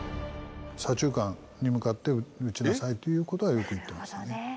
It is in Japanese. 左中間に向かって打ちなさいということは、よく言ってました。